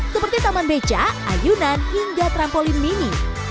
seperti taman beca ayunan hingga trampolin mini